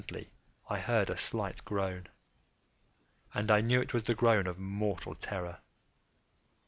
Presently I heard a slight groan, and I knew it was the groan of mortal terror.